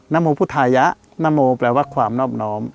นโมพุทธายะนโมแปลว่าความนอบน้อม